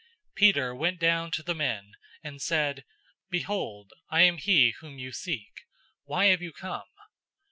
010:021 Peter went down to the men, and said, "Behold, I am he whom you seek. Why have you come?"